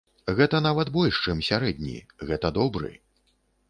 Гэта нават больш чым сярэдні, гэта добры.